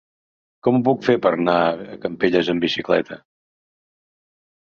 Com ho puc fer per anar a Campelles amb bicicleta?